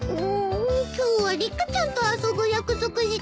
今日はリカちゃんと遊ぶ約束したです。